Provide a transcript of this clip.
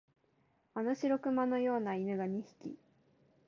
あの白熊のような犬が二匹、